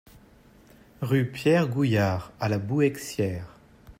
Rue Pierre Gillouard à La Bouëxière